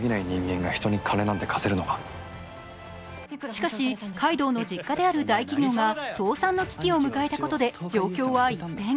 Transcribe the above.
しかし階堂の実家である大企業が倒産の危機を迎えたことで状況は一変。